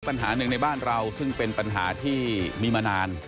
ปัญหาหนึ่งในบ้านเราซึ่งเป็นปัญหาที่มีมานาน